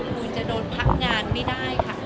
มูลจะโดนพักงานไม่ได้ค่ะ